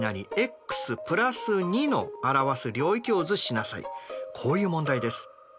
またこういう問題です。